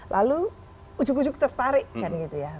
lalu ujuk ujuk tertarik kan gitu ya